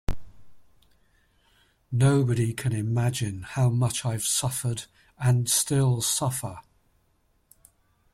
Nobody can imagine how much I've suffered, and still suffer.